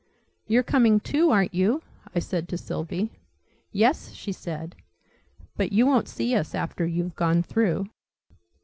"You're coming too, aren't you?" I said to Sylvie. "Yes," she said: "but you won't see us after you've gone through."